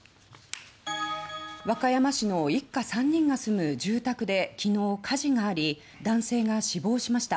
和歌山市の一家３人が住む住宅で昨日火事があり男性が死亡しました。